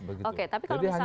oke tapi kalau misalnya